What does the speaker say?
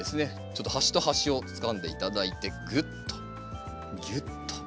ちょっと端と端をつかんで頂いてぐっとぎゅっと。